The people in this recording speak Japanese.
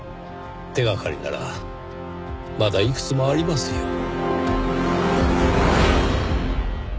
手がかりならまだいくつもありますよ。